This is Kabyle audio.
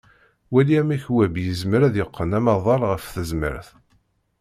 Wali amek web yezmer ad yeqqen amaḍal ɣer tezmert.